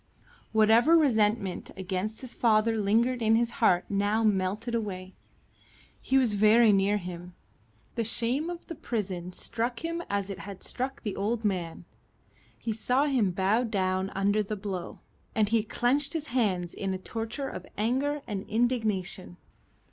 Whatever resentment against his father lingered in his heart now melted away. He was very near him. The shame of the prison struck him as it had struck the old man. He saw him bowed down under the blow, and he clenched his hands in a torture of anger and indignation.